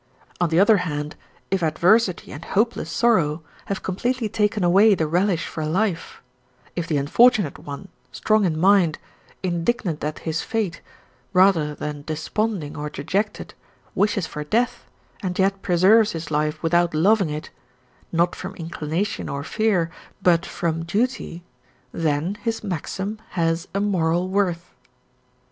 On the other hand, if adversity and hopeless sorrow have completely taken away the relish for life; if the unfortunate one, strong in mind, indignant at his fate rather than desponding or dejected, wishes for death, and yet preserves his life without loving it not from inclination or fear, but from duty then his maxim has a moral worth.